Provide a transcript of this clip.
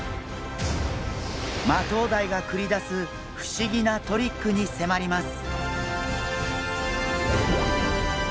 マトウダイが繰り出す不思議なトリックに迫ります！